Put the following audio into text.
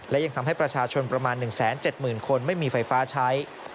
และยังทำให้ประชาชนประมาณ๑๗๐๐คนไม่มีไฟฟ้าใช้